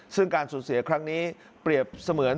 ซึ่งการสูญเสียครั้งนี้เปรียบเสมือน